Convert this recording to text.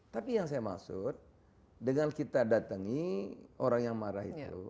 tapi yang saya maksud dengan kita datangi orang yang marah itu